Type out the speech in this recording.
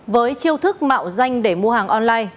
với chiêu thức mạo danh để mua hàng online